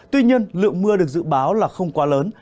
tuy nhiên lượng mưa được dự báo là không quá lớn